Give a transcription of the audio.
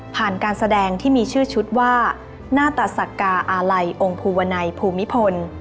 การแสดงที่มีชื่อชุดว่าหน้าตสักกาอาลัยองค์ภูวนัยภูมิพล